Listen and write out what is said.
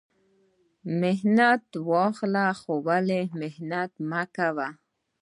ـ منت واخله ولی منت مکوه.